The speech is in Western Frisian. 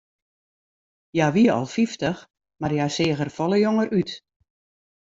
Hja wie al fyftich, mar hja seach der folle jonger út.